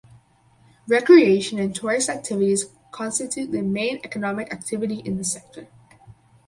Recreational and tourist activities constitute the main economic activity in the sector.